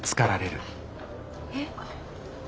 えっ？